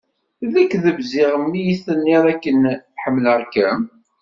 D lekdeb ziɣ mi yi-d-tenniḍ akken ḥemmleɣ-kem?